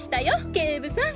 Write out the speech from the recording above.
警部さん！